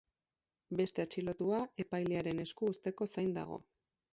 Beste atxilotua epailearen esku uzteko zain dago.